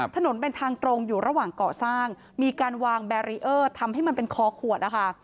ถนนเป็นทางตรงอยู่ระหว่างก่อสร้างมีการวางแบรีเออร์ทำให้มันเป็นคอขวดนะคะ